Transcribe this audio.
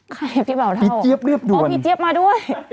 ใครพี่เบาเท่าพี่เจี๊ยบเรียบดวนอ๋อพี่เจี๊ยบมาด้วย